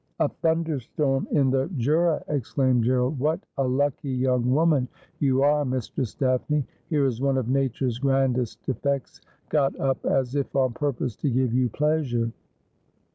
'A thunderstorm in the Jura,' exclaimed Gordd; 'what a lucky young woman yon are, Mistrc is Daphne ! Here u i one of Nature's grandest elfects ;,'ot up as if on iiurpMse to give yon pleasure.'